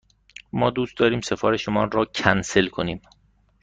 ما دوست داریم سفارش مان را کنسل کنیم.